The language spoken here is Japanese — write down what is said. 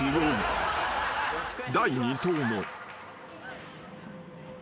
［第２投も］